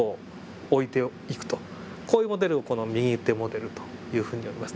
こういうモデルを右手モデルというふうに呼びます。